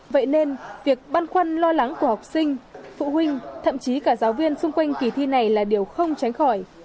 vậy nên việc băn khoăn lo lắng của học sinh phụ huynh thậm chí cả giáo viên xung quanh kỳ thi này là điều không tránh khỏi